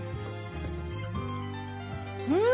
うん！